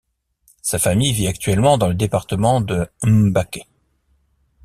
Sa famille vit actuellement dans le département de M'backé.